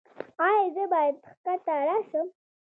ایا زه باید ښکته راشم؟